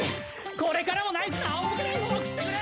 これからもナイスな青ポケライフを送ってくれ！